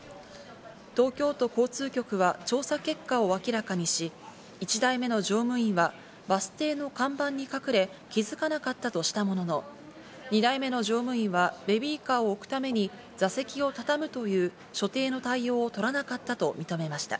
東京都交通局は調査結果を明らかにし、１台目の乗務員はバス停の看板に隠れ、気づかなかったとしたものの、２台目の乗務員はベビーカーを置くために座席をたたむという所定の対応をとらなかったと認めました。